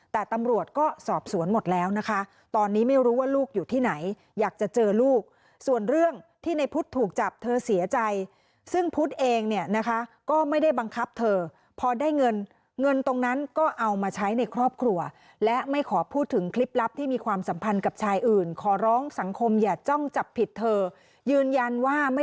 แต่ตำรวจก็สอบสวนหมดแล้วนะคะตอนนี้ไม่รู้ว่าลูกอยู่ที่ไหนอยากจะเจอลูกส่วนเรื่องที่ในพุทธถูกจับเธอเสียใจซึ่งพุทธเองเนี่ยนะคะก็ไม่ได้บังคับเธอพอได้เงินเงินตรงนั้นก็เอามาใช้ในครอบครัวและไม่ขอพูดถึงคลิปลับที่มีความสัมพันธ์กับชายอื่นขอร้องสังคมอย่าจ้องจับผิดเธอยืนยันว่าไม่